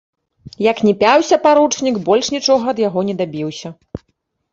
Як ні пяўся паручнік, больш нічога ад яго не дабіўся.